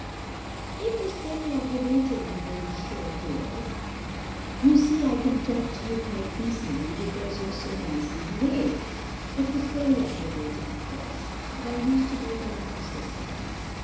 "It was very aggravating, you may be sure, dears, (you see I can talk to you quite reasonably, because you're so nicely behaved;)—it was very aggravating, of course; but I used to make allowances for them.